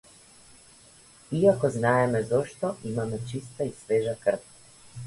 Иако знаеме зошто имаме чиста и свежа крв.